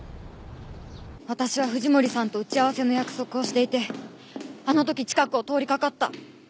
私は藤森さんと打ち合わせの約束をしていてあの時近くを通りかかった。